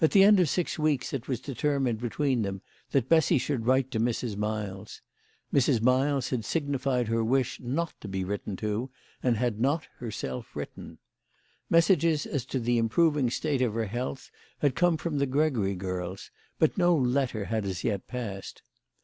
At the end of six weeks it was determined between them that Bessy should write to Mrs. Miles. Mrs. Miles had signified her wish not to be written to, and had not herself written. Messages as to the improving state of her health had come from the Gregory girls, but no letter had as yet passed.